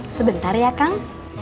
sebentar ya kang